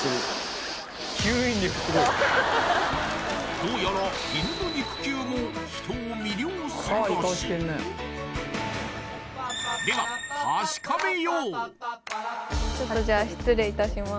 どうやら犬の肉球も人を魅了するらしいでは確かめようちょっとじゃあ失礼いたします